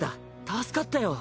助かったよ。